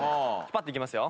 パッといきますよ。